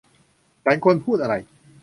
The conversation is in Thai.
ฉันควรพูดอะไร